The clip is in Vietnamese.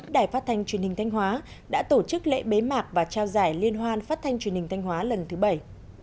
đài phát thanh truyền hình thanh hóa đã tổ chức lễ bế mạc và trao giải liên hoan phát thanh truyền hình thanh hóa lần thứ bảy